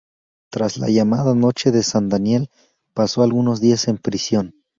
Tras la llamada Noche de San Daniel, pasó algunos días en prisión.